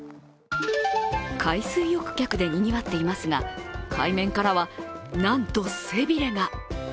海水浴客でにぎわっていますが海面からは、なんと背びれが。